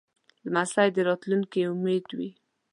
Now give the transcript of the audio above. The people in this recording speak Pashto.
لمسی د راتلونکې امید وي.